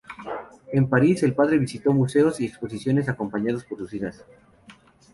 En París, el padre visitó museos y exposiciones acompañado por sus hijas.